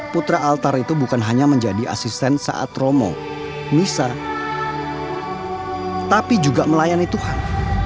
putra altar itu bukan hanya menjadi asisten saat romo misa tapi juga melayani tuhan